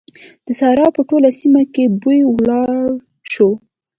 د سارا په ټوله سيمه کې بوی ولاړ شو.